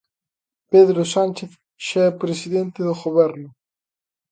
Pedro Sánchez xa é presidente do Goberno.